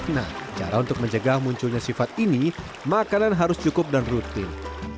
nah cara untuk mencegah munculnya sifat ini makanan harus cukup dan rutin